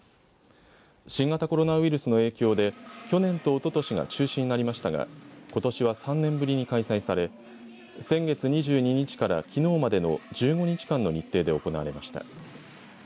新型コロナウイルスの影響で去年とおととしが中止になりましたがことしは３年ぶりに開催され先月２２日からきのうまでの１５日間の日程で行われました。